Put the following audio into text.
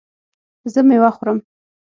زه میوه خورم